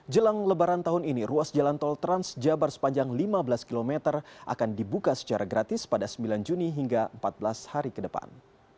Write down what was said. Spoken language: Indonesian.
jelang lebaran tahun ini ruas jalan tol trans jabar sepanjang lima belas km akan dibuka secara gratis pada sembilan juni hingga empat belas hari ke depan